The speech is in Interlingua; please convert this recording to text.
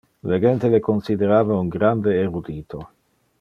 Le gente le considerava un grande erudito.